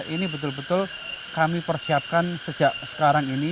ini betul betul kami persiapkan sejak sekarang ini